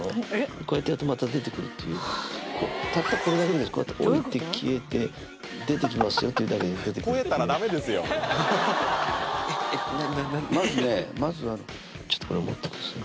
こうやってやるとまた出てくるっていうたったこれだけですこうやって置いて消えて出てきますよって言うだけで出てくるまずねまずはちょっとこれ持ってください